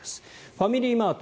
ファミリーマート